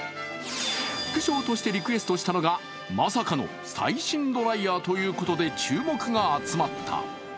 副賞としてリクエストしたのがまさかの最新ドライヤーということで注目が集まった。